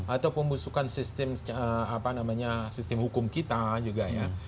atau pembusukan sistem hukum kita juga ya